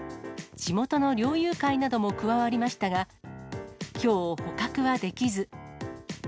地元の猟友会なども加わりましたが、きょう、捕獲はできず。